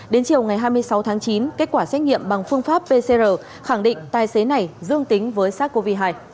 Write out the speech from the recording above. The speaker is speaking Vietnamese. đến chiều ngày hai mươi sáu tháng chín kết quả xét nghiệm bằng phương pháp pcr khẳng định tài xế này dương tính với sars cov hai